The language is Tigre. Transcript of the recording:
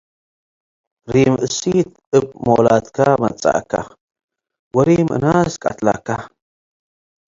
ሪም እሲት እብ ሞላድከ መጽአከ ወሪም እናስ ቀትለከ።